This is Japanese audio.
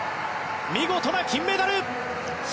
見事な金メダル！